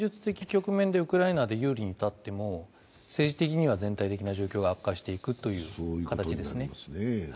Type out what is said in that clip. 局面でウクライナに有利に立っても政治的には、全体的な状況が悪化していく形ですね。